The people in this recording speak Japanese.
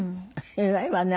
偉いわね